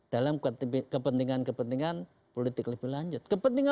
dalam kepentingan kepentingan politik lebih lanjut